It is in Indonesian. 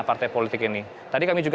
ya sudah ada itu